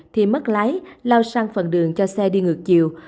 thì mất lái lao sang phần đường cho xe đi ngược chiều